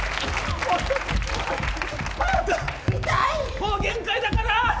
もう限界だから。